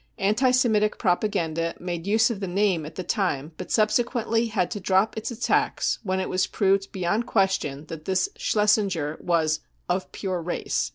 55 Anti Semitic propaganda made use of the name at the time, but subsequently had to drop its attacks when it was proved beyond question that this Schlesinger was " of pure race.